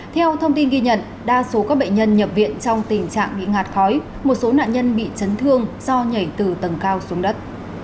theo thông tin ghi nhận đa số các bệnh nhân nhập viện trong tình trạng bị ngạt khói một số nạn nhân bị chấn thương do nhảy từ tầng cao xuống đất